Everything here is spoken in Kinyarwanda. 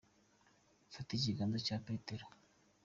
Fata ikiganze cya Petero.